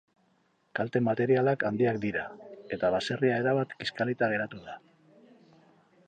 Kalte materialak handiak dira, eta baserria erabat kiskalita geratu da.